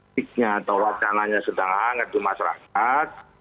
peak nya atau wakilannya sedang hangat di masyarakat